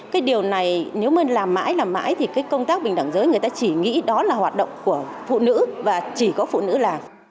cái điều này nếu mình làm mãi làm mãi thì cái công tác bình đẳng giới người ta chỉ nghĩ đó là hoạt động của phụ nữ và chỉ có phụ nữ làm